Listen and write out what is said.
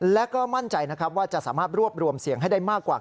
และก็มั่นใจนะครับว่าจะสามารถรวบรวมเสียงให้ได้มากกว่า